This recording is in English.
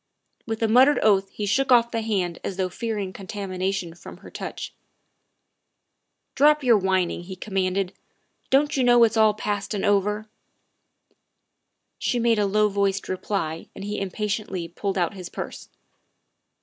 With a muttered oath he shook off the hand as though fearing contamination from her touch. '' Drop your whining !" he commanded. '' Don 't you know it's all past and over?" She made a low voiced reply and he impatiently pulled out his purse.